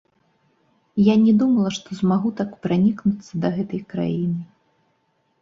Я не думала, што змагу так пранікнуцца да гэтай краіны.